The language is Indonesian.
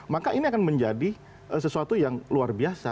maka ini akan menjadi sesuatu yang luar biasa